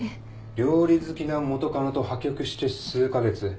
料理好きな元カノと破局して数カ月。